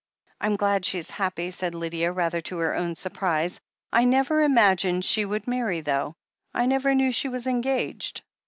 "Fm glad she's happy," said Lydia, rather to her own surprise. "I never imagined she would marry, though. I never knew she was engaged."